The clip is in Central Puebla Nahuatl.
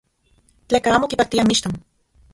Tleka amo kipaktia mixton.